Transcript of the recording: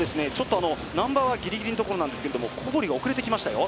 難波はぎりぎりのところなんですけど小堀が遅れてきましたよ。